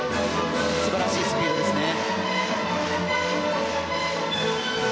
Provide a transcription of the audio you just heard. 素晴らしいスピードですね。